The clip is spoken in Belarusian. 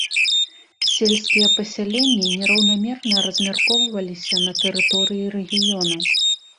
Сельскія пасяленні нераўнамерна размяркоўваліся на тэрыторыі рэгіёна.